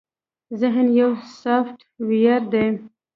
ذهن يو سافټ وئېر دے